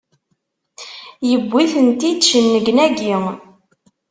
Yewwi-tent-id cennegnagi!